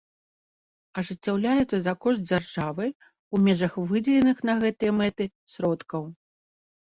Ажыццяўляюцца за кошт дзяржавы ў межах выдзеленых на гэтыя мэты сродкаў.